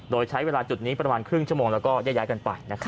โดยใช้เวลาจุดนี้ประมาณครึ่งชั่วโมงแล้วก็แยกย้ายกันไป